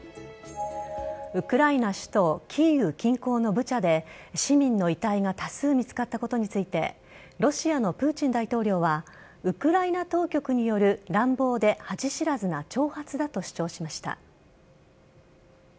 ウクライナ首都キーウ近郊のブチャで市民の遺体が多数見つかったことについてロシアのプーチン大統領はウクライナ当局による、乱暴で恥知らずな挑発だと主張しました。